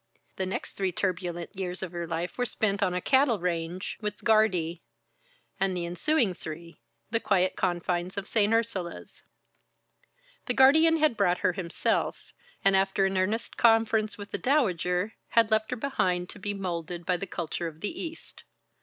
The next three turbulent years of her life were spent on a cattle range with "Guardie," and the ensuing three in the quiet confines of St. Ursula's. The guardian had brought her himself, and after an earnest conference with the Dowager, had left her behind to be molded by the culture of the East.